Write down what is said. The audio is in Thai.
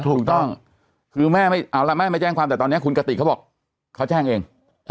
ถูกต้องคือแม่ไม่เอาละแม่ไม่แจ้งความแต่ตอนนี้คุณกติกเขาบอกเขาแจ้งเอง